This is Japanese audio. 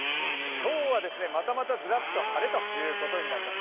今日はまたまたずらっと晴れということになります。